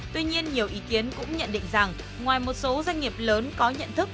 tuy nhiên nhiều ý kiến cũng nhận định rằng ngoài một số doanh nghiệp lớn có nhận thức